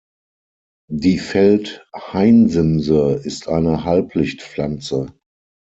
Die Feld-Hainsimse ist eine Halblichtpflanze.